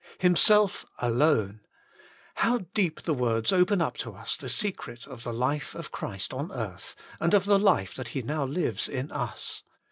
Himself Alone. How deep the words open Himself Alone 155 up to us the secret of the life of Christ on earth, and of the life that He now lives in us.